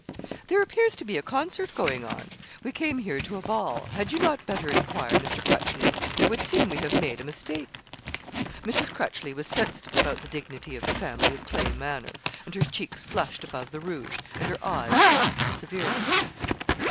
'There appears to be a concert going on; we came here to a ball. Had you not better enquire, Mr. Crutchleigh; it would seem we have made a mistake?' Mrs. Crutchleigh was sensitive about the dignity of the family of Clay Manor; and her cheeks flushed above the rouge, and her eyes flashed severely.